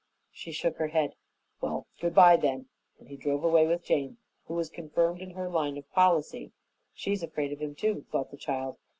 She shook her head. "Well, goodbye, then," and he drove away with Jane, who was confirmed in her line of policy. "She's afraid of 'im too," thought the child.